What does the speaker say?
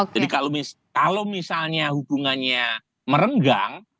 jadi kalau misalnya hubungannya merenggang